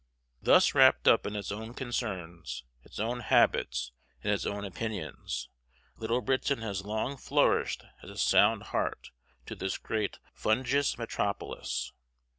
Thus wrapped up in its own concerns, its own habits, and its own opinions, Little Britain has long flourished as a sound heart to this great fungous metropolis.